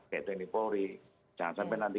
kayak tni polri jangan sampai nanti